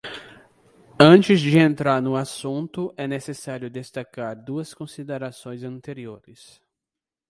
Antes de entrar no assunto, é necessário destacar duas considerações anteriores.